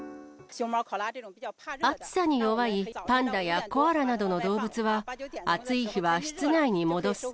暑さに弱いパンダやコアラなどの動物は、暑い日は室内に戻す。